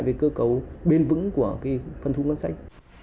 về cơ cấu bền vững của phân thu ngân sách